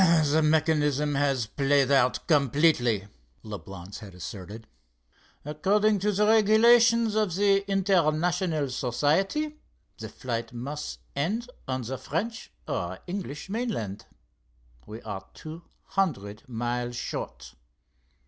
"The mechanism has played out completely," Leblance had asserted. "According to the regulations of the international society, the flight must end on the French or English mainland. We are two hundred miles short.